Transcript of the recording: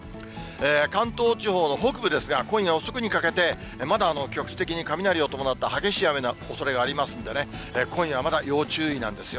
関東地方の北部ですが、今夜遅くにかけて、まだ局地的に雷を伴った激しい雨のおそれがありますんでね、今夜はまだ要注意なんですよ。